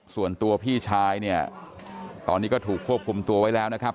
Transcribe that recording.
ส่วนตัวพี่ชายเนี่ยตอนนี้ก็ถูกควบคุมตัวไว้แล้วนะครับ